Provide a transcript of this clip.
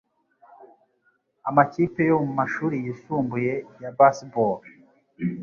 Amakipe yo mu mashuri yisumbuye ya baseball